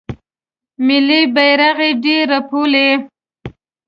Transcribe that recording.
ملي بیرغ یې ډیر رپولی